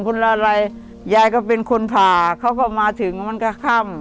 คนละอะไรยายก็เป็นคนผ่าเขาก็มาถึงมันก็ค่ำ